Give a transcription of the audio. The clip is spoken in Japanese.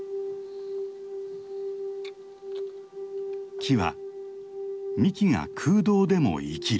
木は幹が空洞でも生きる。